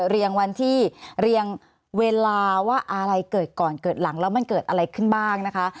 เรียงวันที่เรียงเวลาว่าอะไรเกิดก่อนเกิดหลังแล้วมันเกิดอะไรขึ้นบ้างนะคะ